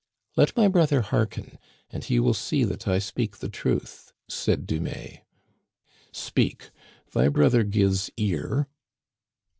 Let my brother hearken, and he will see that I speak the truth," said Dumais. "Speak, thy brother gives ear."